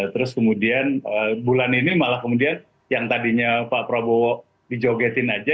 terus kemudian bulan ini malah kemudian yang tadinya pak prabowo dijogetin aja